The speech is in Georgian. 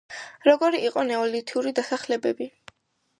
როგორი იყო ნეოლთური დასახლებები?